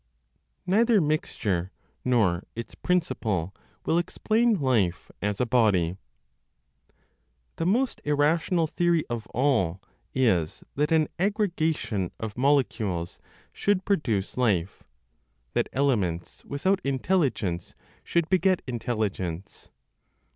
NEITHER MIXTURE NOR ITS PRINCIPLE WILL EXPLAIN LIFE AS A BODY. The most irrational theory of all is that an aggregation of molecules should produce life, that elements without intelligence should beget intelligence.